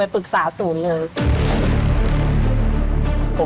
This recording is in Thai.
โทรไปปรึกษาสูญเลย